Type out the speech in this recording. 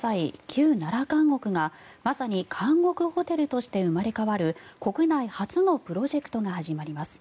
旧奈良監獄がまさに監獄ホテルとして生まれ変わる国内初のプロジェクトが始まります。